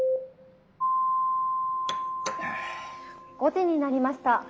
「５時になりました。